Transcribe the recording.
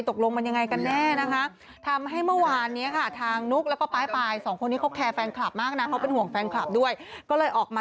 ตกลงมันอย่างไรกันแน่นะคะ